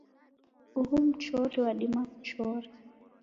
Uhu mchori wadima kuchora